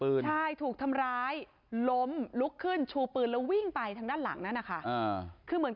ตอนนี้กำลังจะโดดเนี่ยตอนนี้กำลังจะโดดเนี่ย